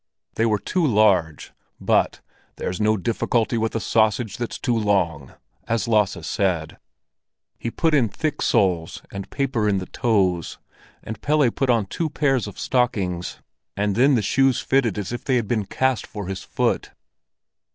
They were too large, but "there's no difficulty with a sausage that's too long," as Lasse said. He put in thick soles and paper in the toes, and Pelle put on two pairs of stockings; and then the shoes fitted as if they had been cast for his foot.